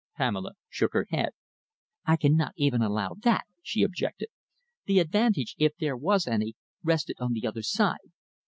Pamela shook her head. "I cannot even allow that," she objected. "The advantage, if there was any, rested on the other side.